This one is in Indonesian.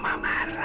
nanti mama marah